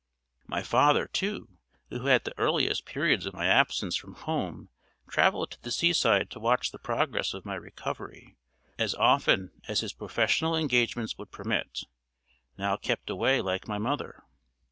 My father, too, who had at the earlier periods of my absence from home traveled to the sea side to watch the progress of my recovery as often as his professional engagements would permit, now kept away like my mother.